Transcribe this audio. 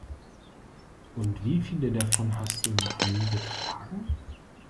Und wie viele davon hast du noch nie getragen?